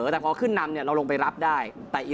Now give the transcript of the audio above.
แต่พอขึ้นนำเราลงไปรับได้